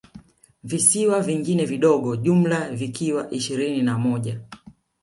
Visiwa vingine vidogo jumla vikiwa ishirini na moja